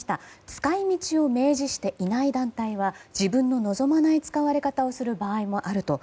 使い道を明示していない団体は自分の望まない使われ方をする場合もあると。